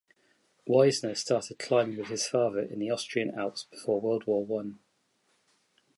Wiessner started climbing with his father in the Austrian Alps before World War One.